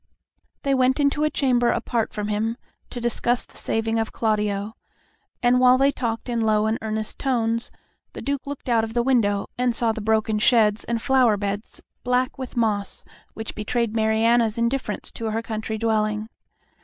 They went into a chamber apart from him to discuss the saving of Claudio, and while they talked in low and earnest tones, the Duke looked out of the window and saw the broken sheds and flower beds black with moss, which betrayed Mariana's indifference to her country dwelling.